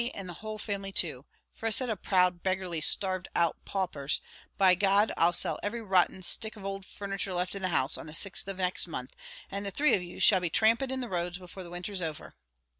and the whole family too, for a set of proud, beggarly, starved out paupers. By G , I'll sell every rotten stick of old furniture left in the house, on the 6th of next month; and the three of you shall be tramping in the roads before the winter's over!"